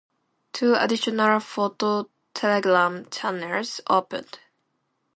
Two additional phototelegram channels opened.